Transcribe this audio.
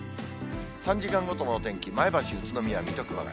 ３時間ごとのお天気、前橋、宇都宮、水戸、熊谷。